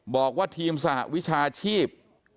บอกว่าทีมสหวิชาชีพ